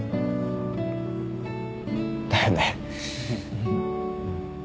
だよね。